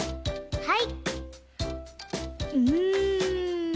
はい。